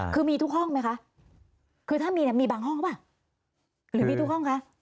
คือมีทุกห้องไหมคะคือถ้ามีเนี่ยมีบางห้องหรือเปล่าหรือมีทุกห้องคะ